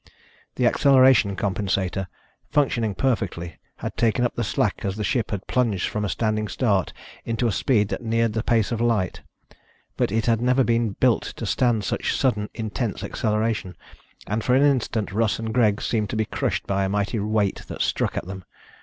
The acceleration compensator, functioning perfectly, had taken up the slack as the ship had plunged from a standing start into a speed that neared the pace of light. But it had never been built to stand such sudden, intense acceleration, and for an instant Russ and Greg seemed to be crushed by a mighty weight that struck at them.